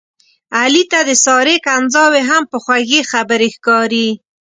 علي ته د سارې کنځاوې هم په خوږې خبرې ښکاري.